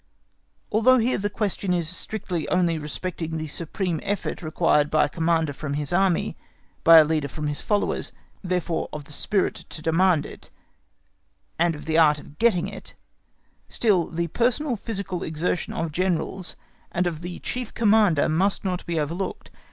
Although here the question is strictly only respecting the extreme effort required by a Commander from his Army, by a leader from his followers, therefore of the spirit to demand it and of the art of getting it, still the personal physical exertion of Generals and of the Chief Commander must not be overlooked.